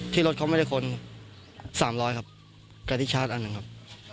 ที่รถเขาไม่ได้ขนสามร้อยครับกระทิชชาร์จอันนึงครับ